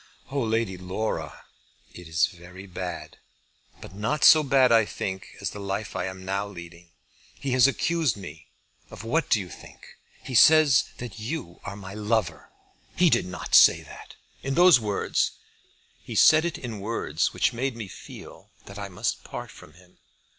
"Oh, Lady Laura!" "It is very bad, but not so bad, I think, as the life I am now leading. He has accused me , of what do you think? He says that you are my lover!" "He did not say that, in those words?" "He said it in words which made me feel that I must part from him."